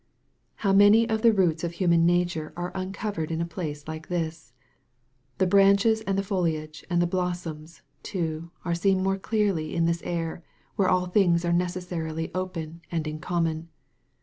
How many of the roots of human nature are uncovered in a place like this ! The branches and the foliage and the blossoms, too, are seen more clearly in this air where all things are necessarily open and in common.